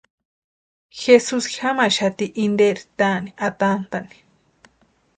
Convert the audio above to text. Jesus jamaxati interi taani atantʼani.